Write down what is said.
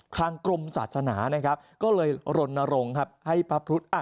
ทางกรมศาสนานะครับก็เลยรณรงค์ครับให้พระพุทธอ่ะ